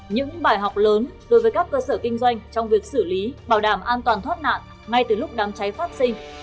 những bài học lớn đối với các cơ sở kinh doanh trong việc xử lý bảo đảm an toàn thoát nạn ngay từ lúc đám cháy phát sinh